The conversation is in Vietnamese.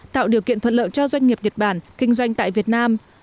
tạo điều kiện thuận lợi cho doanh nghiệp nhật bản kinh doanh tại việt nam